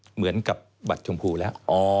เหมือนกับบัตรชมพูแล้ว